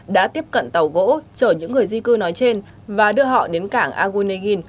đã tiếp cận tàu gỗ chở những người di cư nói trên và đưa họ đến cảng agunegin